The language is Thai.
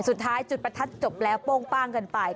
จุดประทัดจบแล้วโป้งป้างกันไป